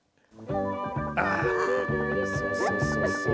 あそうそうそうそう。